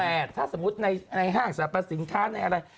แต่ถ้าสมมุติในห้างสรรพสินค้าในอะไร